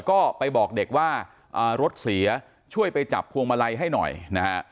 ก็ไปบอกเด็กว่ารถเสียช่วยไปจับพวงมาลัยให้หน่อยนะฮะ